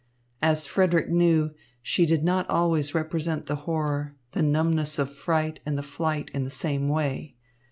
As Frederick knew, she did not always represent the horror, the numbness of fright and the flight in the same way.